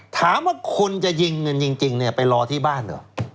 ถามว่าคนจะยิงเงินจริงเนี่ยไปรอที่บ้านเหรอ